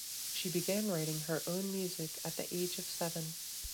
She began writing her own music at the age of seven.